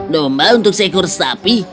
domba untuk sekor sapi